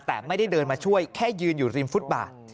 แต่ไม่ได้เดินมาช่วยแค่ยืนอยู่ริมฟุตบาท